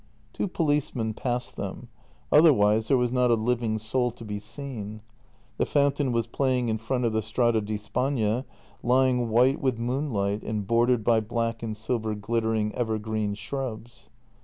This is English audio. T wo policemen passed them ; otherwise there was not a living soul to be seen. The fountain was playing in front of the Strada di Spagna, lying white with moonlight and bordered by black and silver glittering evergreen shrubs.